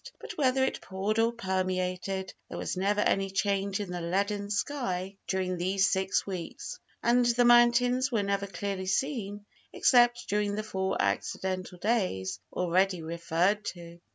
But whether it poured or permeated, there was never any change in the leaden sky during these six weeks, and the mountains were never clearly seen except during the four accidental days already referred to.